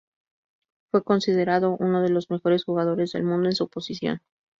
Fue considerado uno de los mejores jugadores del mundo en su posición.